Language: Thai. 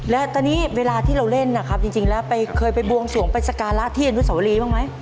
และตอนนี้เวลาที่เราเล่นนะครับจริงแล้วเคยไปบวงสวงไปสการะที่อนุสวรีบ้างไหม